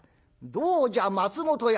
「どうじゃ松本屋。